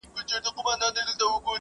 د معلوماتو زېرمه کول ژباړه چټکه کړې ده.